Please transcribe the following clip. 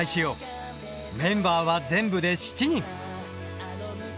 メンバーは全部で７人。